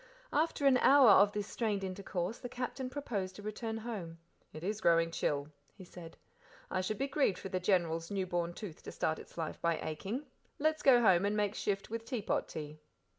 After an hour of this strained intercourse the Captain proposed a return home. "It is growing chill," he said. "I should be grieved for the General's new born tooth to start its life by aching let's go home and make shift with teapot tea."